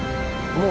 もう。